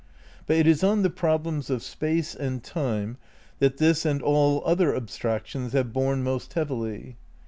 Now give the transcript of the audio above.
But it is on the problems of Space and Time that this and all other abstractions have borne most heavily.